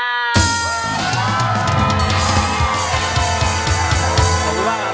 ครับมีแฟนเขาเรียกร้อง